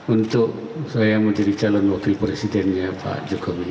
untuk saya menjadi calon wakil presidennya pak jokowi